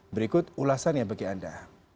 berikut ulasannya bagi anda